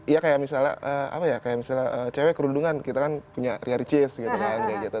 iya kayak misalnya apa ya kayak misalnya cewek kerudungan kita kan punya ria ricis gitu kan kayak gitu